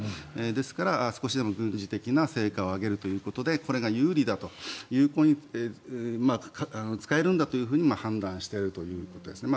ですから、少しでも軍事的な成果を上げるということでこれが有利だと使えるんだというふうに判断しているということですね。